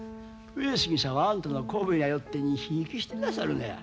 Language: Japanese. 上杉さんはあんたの子分やよってにひいきしてなさるのや。